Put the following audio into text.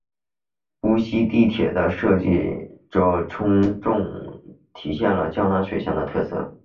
无锡地铁的设计着重体现了江南水乡的特色。